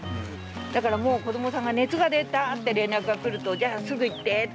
だからもう子どもさんが熱が出たって連絡が来るとじゃあすぐ行ってって。